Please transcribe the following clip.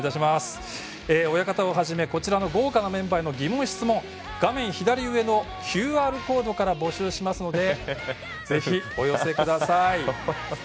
親方をはじめこちらの豪華なメンバーへの疑問・質問、ＱＲコードから募集しますのでぜひお寄せください。